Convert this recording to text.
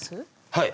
はい！